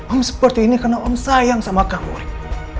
om seperti ini karena om sayang sama kamu aja